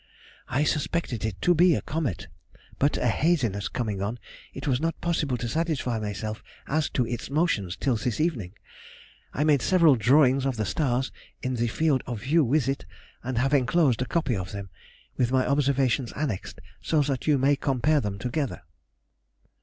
I suspected it to be a comet; but a haziness coming on, it was not possible to satisfy myself as to its motion till this evening. I made several drawings of the stars in the field of view with it, and have enclosed a copy of them, with my observations annexed, that you may compare them together.